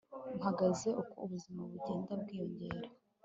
Mpagaze uko ubuzima bugenda bwiyongera